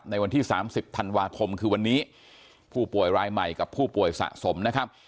วันที่๓๐ธันวาคมคือวันนี้ผู้ป่วยรายใหม่กับผู้ป่วยสะสมนะครับ